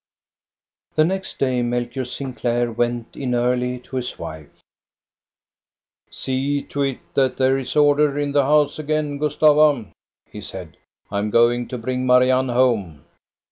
The next day Melchior Sinclair went in early to his wife. " See to it that there is order in the house again, Gustava !" he said. " I am going to bring Marianne home."